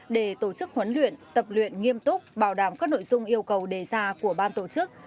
để tổ chức huấn luyện tập luyện nghiêm túc bảo đảm các nội dung yêu cầu đề ra của ban tổ chức